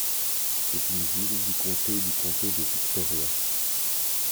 C'est une ville du comté du comté de Victoria.